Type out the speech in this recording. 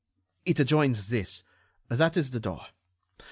"It adjoins this. That is the door.